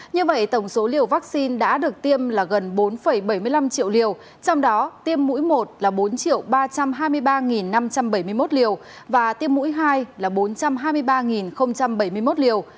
như vậy tổng số liều vaccine đã được tiêm là gần bốn bảy mươi năm triệu liều trong đó tiêm mũi một là bốn ba trăm hai mươi ba năm trăm bảy mươi một liều và tiêm mũi hai là bốn trăm hai mươi ba bảy mươi một liều